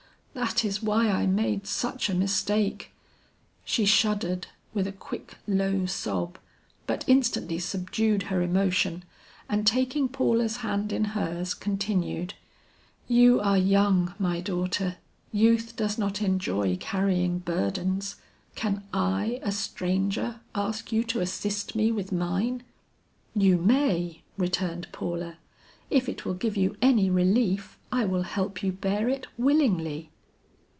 That is why I made such a mistake." She shuddered, with a quick low sob, but instantly subdued her emotion and taking Paula's hand in hers continued, "You are young, my daughter; youth does not enjoy carrying burdens; can I, a stranger ask you to assist me with mine?" "You may," returned Paula. "If it will give you any relief I will help you bear it willingly."